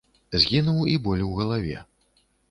Згінуў і боль у галаве.